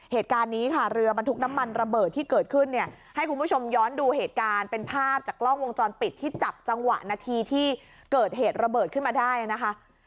เหตุการณ์นี้ค่ะเรือบรรทุกน้ำมันระเบิดที่เกิดขึ้นเนี่ยให้คุณผู้ชมย้อนดูเหตุการณ์เป็นภาพจากกล้องวงจรปิดที่จับจังหวะนาทีที่เกิดเหตุระเบิดขึ้นมาได้นะคะ